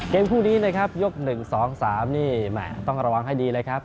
คู่นี้นะครับยก๑๒๓นี่แหม่ต้องระวังให้ดีเลยครับ